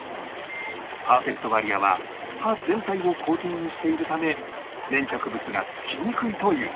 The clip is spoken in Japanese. パーフェクトバリアは刃全体をコーティングしているため粘着物がつきにくいという